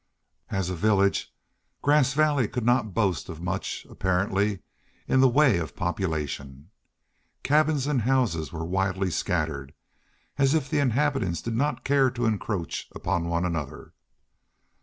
As a village, Grass Valley could not boast of much, apparently, in the way of population. Cabins and houses were widely scattered, as if the inhabitants did not care to encroach upon one another.